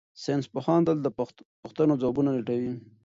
ساینس پوهان تل د پوښتنو ځوابونه لټوي.